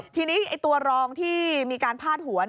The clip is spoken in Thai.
ทีนี้ตัวรองที่มีการพาดหัว